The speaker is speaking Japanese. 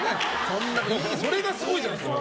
それがすごいじゃないですか。